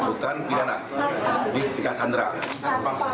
bukan pidana ini kita sandera